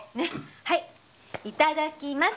はいいただきます。